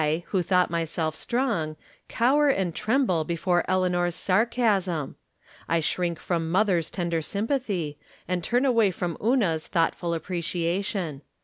who thought myself strong, cower and tremble before Eleanor's sarcasm ! I shrink from mother's tender sympathy, and turn away from Una's thoughtful appreciation.